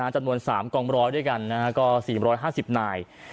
จำนวน๓กองร้อยด้วยกันก็๔๕๐นาย